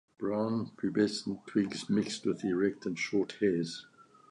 Brown pubescent twigs mixed with erect and short hairs.